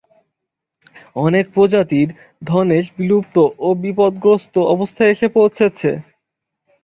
অনেক প্রজাতির ধনেশ বিলুপ্ত ও বিপদগ্রস্ত অবস্থায় এসে পৌঁছেছে।